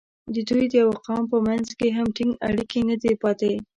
د دوی د یوه قوم په منځ کې هم ټینګ اړیکې نه دي پاتې.